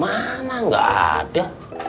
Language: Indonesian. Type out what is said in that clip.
mana enggak ada